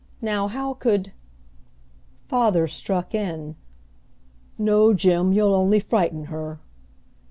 Now, how could " Father struck in, "No, Jim, you'll only frighten her!"